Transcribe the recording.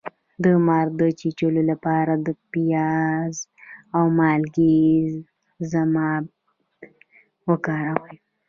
د مار د چیچلو لپاره د پیاز او مالګې ضماد وکاروئ